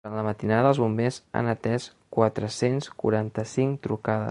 Durant la matinada, els bombers han atès quatre-cents quaranta-cinc trucades.